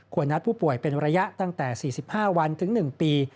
นัดผู้ป่วยเป็นระยะตั้งแต่๔๕วันถึง๑ปี